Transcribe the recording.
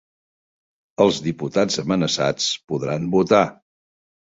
Els diputats amenaçats podran votar